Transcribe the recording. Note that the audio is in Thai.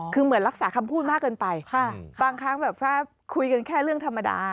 คือเหมือนรักษาคำพูดมากเกินไปบางครั้งแบบถ้าคุยกันแค่เรื่องธรรมดา